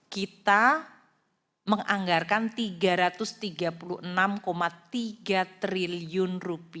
kita menganggarkan rp tiga ratus tiga puluh enam tiga triliun